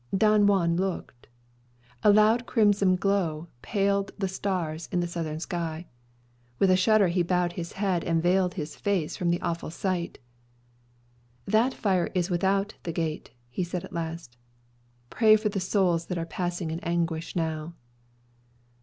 Don Juan looked. A lurid crimson glow paled the stars in the southern sky. With a shudder he bowed his head, and veiled his face from the awful sight. "That fire is without the gate," he said at last. "Pray for the souls that are passing in anguish now."